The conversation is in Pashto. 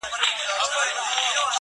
خپل مخالفان یې یوازې ظالمان بللي